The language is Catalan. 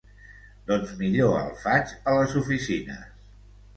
Doncs millor el faig a les oficines.